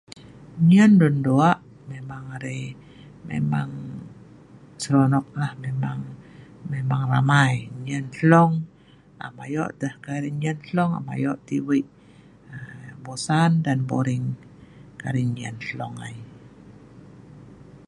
nyein duak duak arai memang seronok lah memang memang ramai nyein hlong am ayo am ayo tah yah wei', bosan dan boring kai arai nyein hlong ai